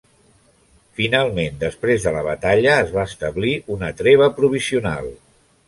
Finalment, després de la batalla, es va establir una treva provisional.